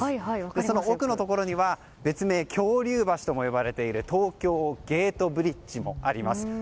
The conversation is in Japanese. その奥のところには別名・恐竜橋といわれている東京ゲートブリッジもあります。